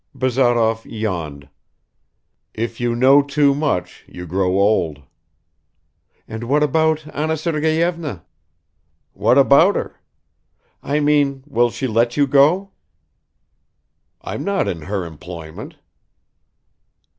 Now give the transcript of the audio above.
Bazarov yawned. "If you know too much, you grow old." "And what about Anna Sergeyevna?" "What about her?" "I mean, will she let you go?" "I'm not in her employment."